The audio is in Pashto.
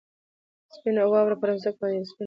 سپینه واوره پر مځکه باندې یو سپین پړونی غوړوي.